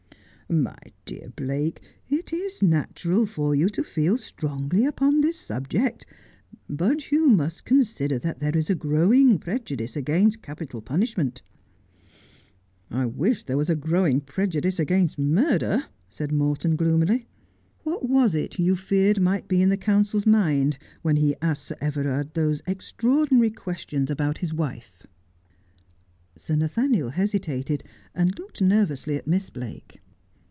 ' My dear Blake, it is natural for you to feel strongly upon this subject, but you must consider that there is a growing pre judice against capital punishment.' ' I wish there was a growing prejudice against murder,' said Morton gloomily. ' What was it that you feared might be in the counsel's mind when he asked Sir Everard those extraordi nary questions about his wife ?' Sir Nathaniel hesitated, and looked nervously at Miss Blake.